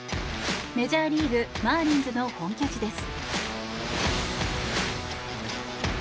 メジャーリーグマーリンズの本拠地です。